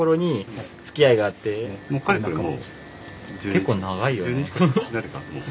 結構長いよね。